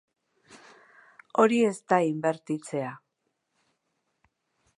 Hori ez da inbertitzea.